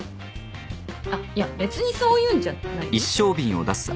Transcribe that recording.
あっいや別にそういうんじゃないよ。